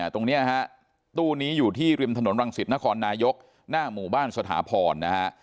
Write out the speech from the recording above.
ตรงนี้ฮะตู้นี้อยู่ที่ริมถนนรังสิตนครนายกหน้าหมู่บ้านสถาพรนะฮะ